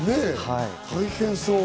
大変そう。